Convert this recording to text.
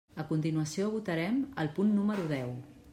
A continuació votarem el punt número deu.